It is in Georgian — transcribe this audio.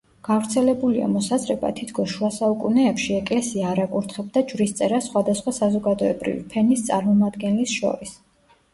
გავრცელებულია მოსაზრება, თითქოს შუასაუკუნეებში ეკლესია არ აკურთხებდა ჯვრისწერას სხვადასხვა საზოგადოებრივი ფენის წარმომადგენლის შორის.